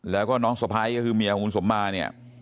แล้วก็น้องสะพ้ายก็คือเมียของคุณสมมาเนี่ย